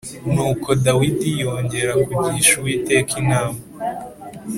Nuko Dawidi yongera kugisha Uwiteka inama.